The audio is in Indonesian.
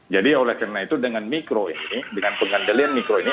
jadi oleh karena itu dengan mikro ini dengan pengandelian mikro ini